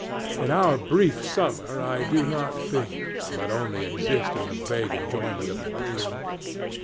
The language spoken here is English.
In our brief summer I do not think, but only exist in the vague enjoyment of a dream.